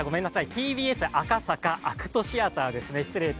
ＴＢＳ赤坂ＡＣＴシアターですね。